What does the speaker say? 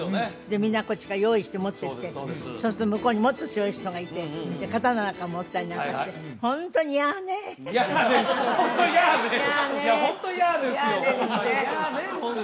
みんなこっちが用意して持ってってそうすると向こうにもっと強い人がいて刀なんか持ったりなんかして「嫌ねぇ」ホント嫌ねぇいやホント嫌ですよホンマ